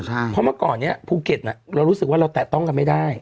เพราะเมื่อก่อนนี้ภูเก็ตเรารู้สึกว่าเราแตะต้องกันไม่ได้